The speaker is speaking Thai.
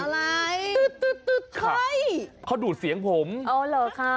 อะไรตุ๊ดตุ๊ดค่ะเขาดูดเสียงผมเออเหรอคะ